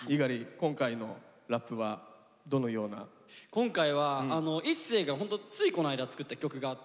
今回は一世がホントついこの間作った曲があって。